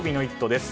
です。